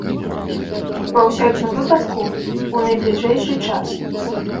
Ва ўсякім выпадку, у найбліжэйшы час.